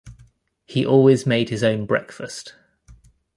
He always made his own breakfast.